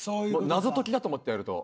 謎解きだと思ってやると。